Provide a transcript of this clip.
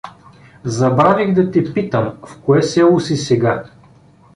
Забравих да те питам: в кое село си сега!